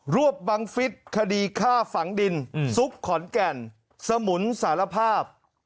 วบบังฟิศคดีฆ่าฝังดินซุกขอนแก่นสมุนสารภาพ